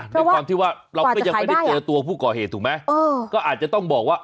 ด้วยความที่ว่าเราก็ยังไม่ได้เจอตัวผู้ก่อเหตุถูกไหมก็อาจจะต้องบอกว่า